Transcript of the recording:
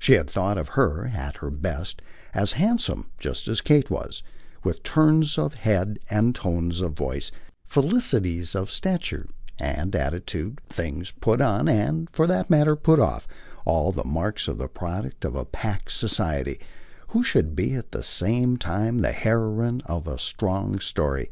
She had thought of her, at her best, as handsome just as Kate was, with turns of head and tones of voice, felicities of stature and attitude, things "put on" and, for that matter, put off, all the marks of the product of a packed society who should be at the same time the heroine of a strong story.